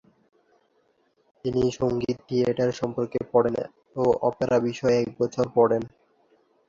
তিনি সংগীত থিয়েটার সম্পর্কে পড়েন ও অপেরা বিষয়ে এক বছর পড়েন।